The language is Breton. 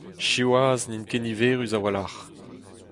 Siwazh n'int ket niverus a-walc'h.